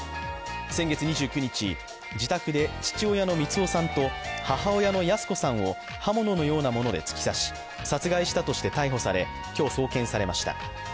先月２９日、自宅で父親の三男さんと母親の泰子さんを刃物のようなもので突き刺し、殺害したとして逮捕され、今日、送検されました。